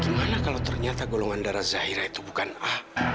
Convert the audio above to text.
gimana kalau ternyata gulangan darah zaira itu bukan a